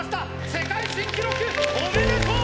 世界新記録おめでとう！